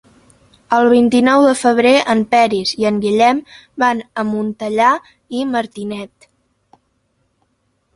El vint-i-nou de febrer en Peris i en Guillem van a Montellà i Martinet.